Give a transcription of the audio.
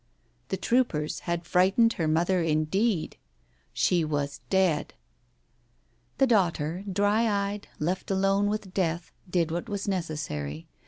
The troopers had frightened her mother indeed. She was dead !... The daughter, dry eyed, left alone with death, did what was necessary.